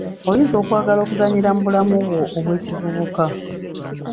Oyinza okwagala okuzannyira mu bulamu bwo obw'ekivubuka.